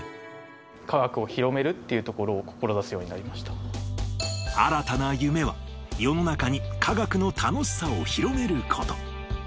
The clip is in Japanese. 科学を広めるっていうところ新たな夢は、世の中に科学の楽しさを広めること。